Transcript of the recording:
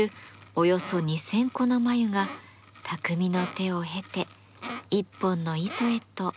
およそ２，０００個の繭が匠の手を経て一本の糸へと姿を変えます。